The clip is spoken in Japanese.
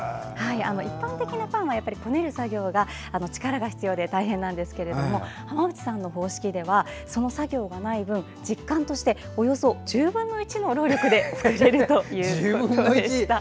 一般的なパンはこねる作業が力が必要で大変なんですけども浜内さんの方式ではその作業がない分実感として、およそ１０分の１の労力で作れるということでした。